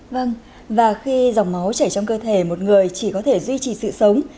vâng và khi dòng máu chảy trong cơ thể một người chỉ có thể duy trì sự sống